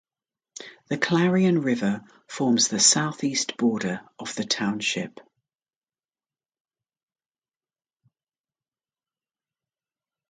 The Clarion River forms the southeast border of the township.